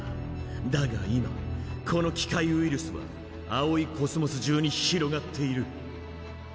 だが今この機械ウイルスは葵宇宙中に広がっている。